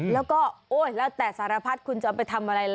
แล้วก็โอ๊ยแล้วแต่สารพัดคุณจะไปทำอะไรล่ะ